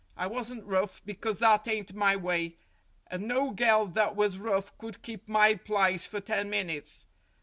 I wasn't rough, because that ain't my way, and no gel that was rough could keep my plice for ten minutes.